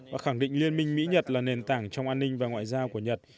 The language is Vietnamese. và khẳng định liên minh mỹ nhật là nền tảng trong an ninh và ngoại giao của nhật